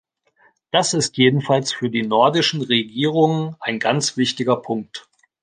Das ist jedenfalls für die nordischen Regierungen ein ganz wichtiger Punkt.